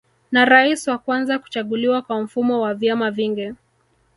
Na rais wa kwanza kuchaguliwa kwa mfumo wa vyama vingi